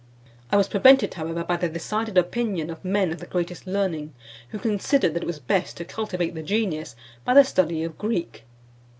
I was prevented, however, by the decided opinion (527) of men of the greatest learning, who considered that it was best to cultivate the genius by the study of Greek."